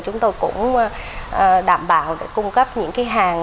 chúng tôi cũng đảm bảo để cung cấp những cái hàng